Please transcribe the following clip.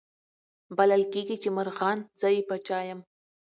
بلل کیږي چي مرغان زه یې پاچا یم